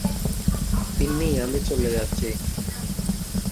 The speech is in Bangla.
তিন্নি, আমি চলে যাচ্ছি।